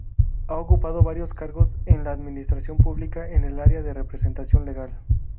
Ha ocupado varios cargos en la administración pública en el área de representación legal.